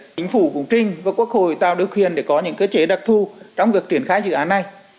chính phủ cũng trinh và quốc hội tạo được khuyên để có những cơ chế đặc thù trong việc triển khai dự án này